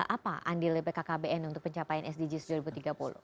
apa andil bkkbn untuk pencapaian sdgs dua ribu tiga puluh